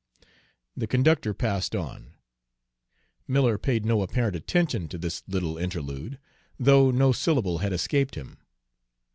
The conductor passed on. Miller paid no apparent attention to this little interlude, though no syllable had escaped him.